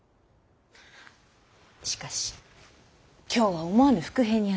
しかし今日は思わぬ伏兵にやられた。